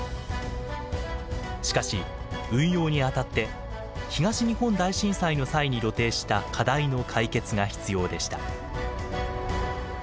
しかし運用にあたって東日本大震災の際に露呈した課題の解決が必要でした。